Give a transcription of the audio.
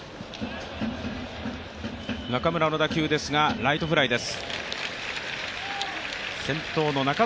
中村の打球ですが、ライトフライです。